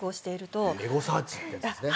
エゴサーチってやつですね。